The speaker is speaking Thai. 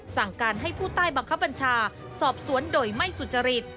สั่งการให้ผู้ใต้บังคับบัญชาสอบสวนโดยไม่สุจริต